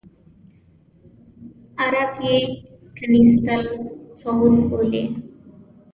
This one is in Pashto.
عرب یې کنیسۃ الصعود بولي.